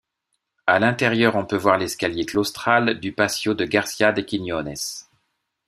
À l'intérieur on peut voir l'escalier claustral du patio de Garcia de Quiñones.